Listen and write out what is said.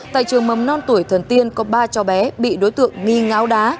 tại trường mầm non tuổi thần tiên có ba cháu bé bị đối tượng nghi ngáo đá